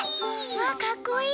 わぁかっこいい！